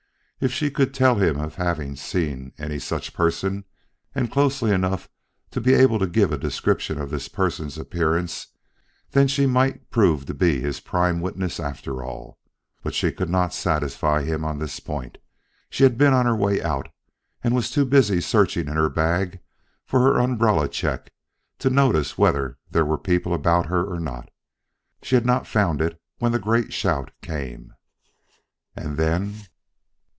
If she could tell him of having seen any such person, and closely enough to be able to give a description of this person's appearance, then she might prove to be his prime witness, after all. But she could not satisfy him on this point. She had been on her way out, and was too busy searching in her bag for her umbrella check to notice whether there were people about her or not. She had not found it when the great shout came. "And then?"